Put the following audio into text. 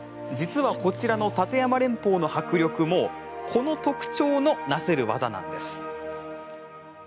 実は、こちらの立山連峰の迫力もこの特徴の成せる技なんです。